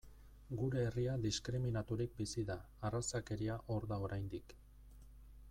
Gure herria diskriminaturik bizi da, arrazakeria hor da oraindik.